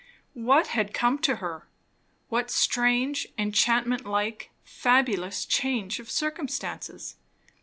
What had come to her? what strange, enchantment like, fabulous, change of circumstances?